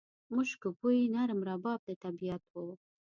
مشکو بوی، نرم رباب د طبیعت و